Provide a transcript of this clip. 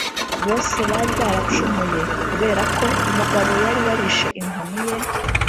bose bari baracumuye. kuberako umugabo yari yarishe inkoni ye,